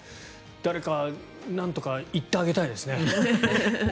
誰かなんとか言ってあげたいですね。